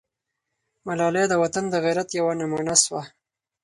ملالۍ د وطن د غیرت یوه نمونه سوه.